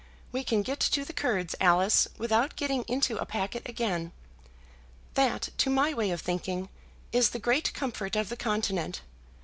We can get to the Kurds, Alice, without getting into a packet again. That, to my way of thinking, is the great comfort of the Continent.